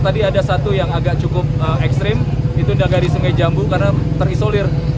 tadi ada satu yang agak cukup ekstrim itu dari sungai jambu karena terisolir